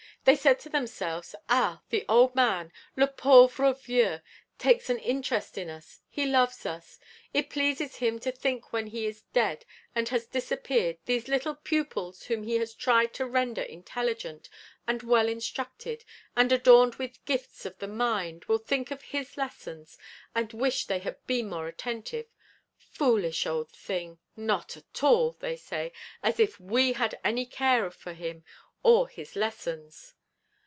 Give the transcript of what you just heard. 'They said to themselves "Ah! the old man, le pauvre vieux, takes an interest in us, he loves us; it pleases him to think when he is dead, and has disappeared, these little pupils whom he has tried to render intelligent, and well instructed, and adorned with gifts of the mind, will think of his lessons, and wish they had been more attentive. Foolish old thing! not at all," they say, "as if we had any care for him or his lessons."'